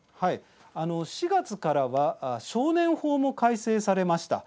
４月からは少年法も改正されました。